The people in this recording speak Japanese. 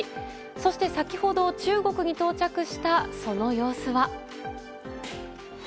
そして先ほど中国に到着したその様子は。